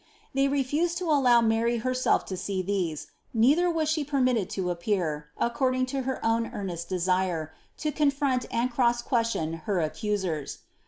They refused to allow Mary herself lo see these, neither was she permitted to appear, accord ing to her own earnest desire, to confront and cross question her accD sets.